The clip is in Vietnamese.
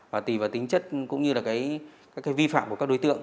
và tùy vào tính chất cũng như là các vi phạm của các đối tượng